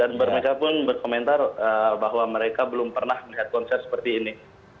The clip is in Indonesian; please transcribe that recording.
dan mereka pun berkomentar bahwa mereka belum pernah melihat konser seperti ini